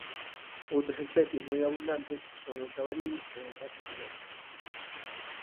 Outras especies moi abundantes son o xabaril e rato silvestre.